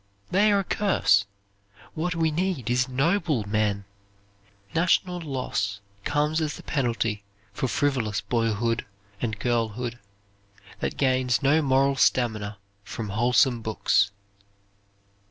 They are a curse; what we need is noble men. National loss comes as the penalty for frivolous boyhood and girlhood, that gains no moral stamina from wholesome books."